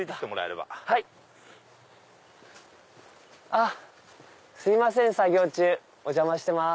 あっすいませんお邪魔してます。